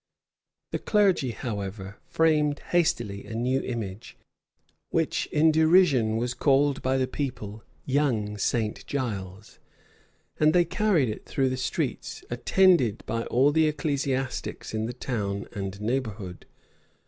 The clergy, however, framed hastily a new image, which in derision was called by the people young St. Giles; and they carried it through the streets, attended by all the ecclesiastics in the town and neighborhood.